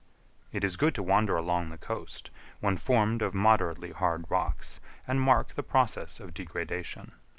It is good to wander along the coast, when formed of moderately hard rocks, and mark the process of degradation.